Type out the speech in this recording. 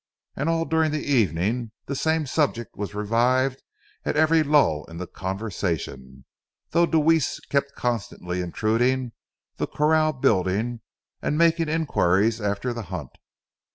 And all during the evening the same subject was revived at every lull in the conversation, though Deweese kept constantly intruding the corral building and making inquiries after the hunt.